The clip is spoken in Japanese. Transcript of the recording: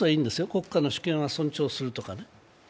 国家の主権は尊重するとかね。